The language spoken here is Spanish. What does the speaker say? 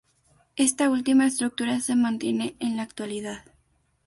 Esta última estructura se mantiene en la actualidad.